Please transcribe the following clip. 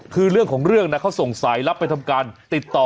คือเรื่องของเรื่องนะเขาส่งสายลับไปทำการติดต่อ